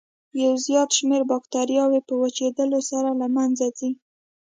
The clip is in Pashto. یو زیات شمېر باکتریاوې په وچېدلو سره له منځه ځي.